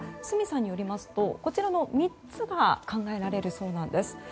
角さんによりますとこちらの３つが考えられるそうなんです。